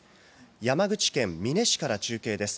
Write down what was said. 山口県美祢市から中継です。